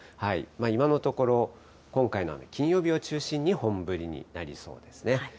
今のところ、今回の雨、金曜日を中心に本降りになりそうですね。